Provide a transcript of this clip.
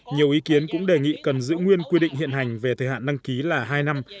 nhiều ý kiến cũng đề nghị cần giữ nguyên quy định hiện hành về thời hạn đăng ký là hai năm